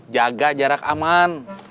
jaga jarak aman